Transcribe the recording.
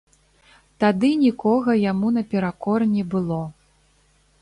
Тады нікога яму наперакор не было.